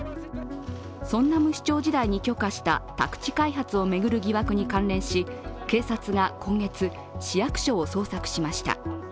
ソンナム市長時代に許可した宅地開発を巡る疑惑に関連し警察が今月市役所を捜索しました。